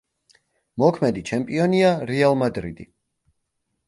მოქმედი ჩემპიონია „რეალ მადრიდი“.